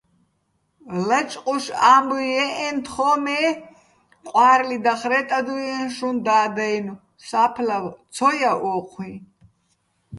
ლაჭყუშ ა́მბუჲ ჲე́ჸეჼ თხო́́ჼ, მე ყვა́რლი დახვრე́ტადვიე შუჼ და́დ-აჲნო̆, სა́ფლავ ცო ჲა ო́ჴუიჼ.